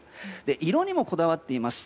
色にもこだわっています。